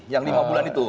yang lima bulan itu